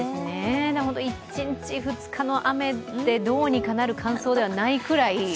１日、２日の雨ってどうにかなるような乾燥ではないぐらい。